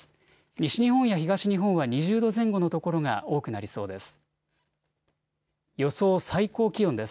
西日本や東日本は２０度前後の所が多くなりそうです。